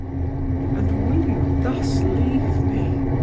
"And will you thus leave me?"